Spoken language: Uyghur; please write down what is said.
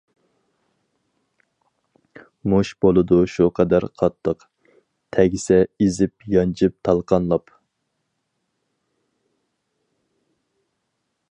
مۇش بولىدۇ شۇ قەدەر قاتتىق، تەگسە ئېزىپ يانجىپ تالقانلاپ.